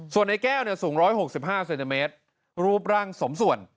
ส่วนในแก้วสูง๑๖๕เซนติเมตรรูปร่างสมส่วน